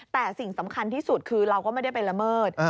แต่สิ่งสำคัญที่สุดคือเราก็ไม่ได้ไปละเมิด